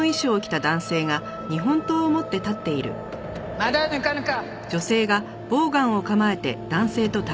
まだ抜かぬか！